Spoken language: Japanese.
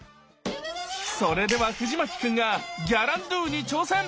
それでは藤牧君が「ギャランドゥ」に挑戦。